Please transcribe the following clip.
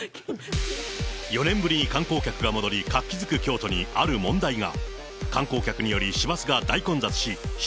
４年ぶりに観光客が戻り、活気づく京都にある問題が。